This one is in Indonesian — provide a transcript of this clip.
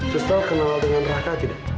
susto kenal dengan raka tidak